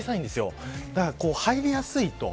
ただ、だから入りやすいと。